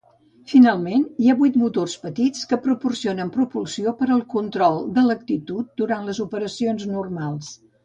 Finalment, hi ha vuit motors petits que proporcionen propulsió per al control de l'actitud durant les operacions normals.